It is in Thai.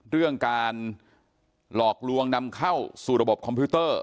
เรื่องการหลอกลวงนำเข้าสู่ระบบคอมพิวเตอร์